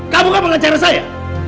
kamu gak mengacara saya